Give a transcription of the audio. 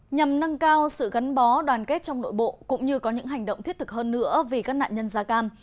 nhằm nâng cao sự gắn bó đoàn kết trong nội bộ cũng như có những hành động thiết thực hơn nữa vì các nạn nhân da cam